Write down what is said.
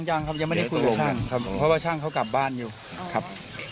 ยังครับยังไม่ได้คุยกับช่างครับเพราะว่าช่างเขากลับบ้านอยู่ครับ